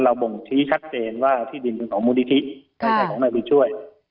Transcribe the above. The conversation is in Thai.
เราบ่งทีชัดเจนว่าที่ดินเป็นของมูลนิธิในในช่วงที่แบบนานบุญช่วย